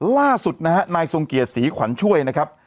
ล่าสุดนะฮะนายทรงเกียรติศรีขวัญช่วยนะครับ